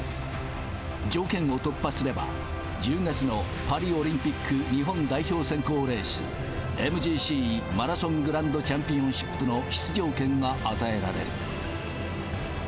条件を突破すれば、１０月のパリオリンピック日本代表選考レース、ＭＧＣ・マラソングランドチャンピオンシップの出場権が与えられる。